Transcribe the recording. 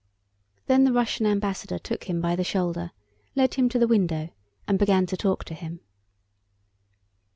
Then the Russian ambassador took him by the shoulder, led him to the window, and began to talk to him.